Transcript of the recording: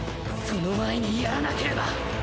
その前にやらなければ！